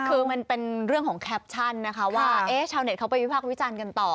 คือมันเป็นเรื่องของแคปชั่นนะคะว่าชาวเน็ตเขาไปวิพากษ์วิจารณ์กันต่อ